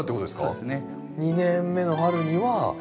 そうですね。